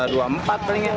dua empat palingnya